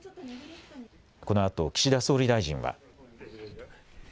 このあと岸田総理大臣は。